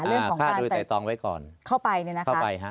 เรื่องของการไปเข้าไปเนี่ยนะครับ